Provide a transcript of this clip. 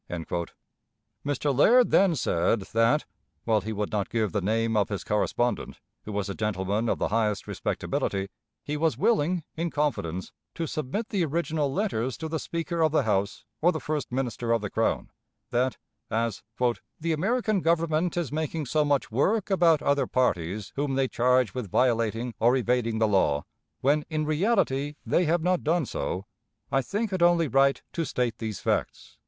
"'" Mr. Laird then said that, while he would not give the name of his correspondent, who was a gentleman of the highest respectability, he was willing, in confidence, to submit the original letters to the Speaker of the House or the first Minister of the Crown; that, as "the American Government is making so much work about other parties whom they charge with violating or evading the law, when in reality they have not done so, I think it only right to state these facts."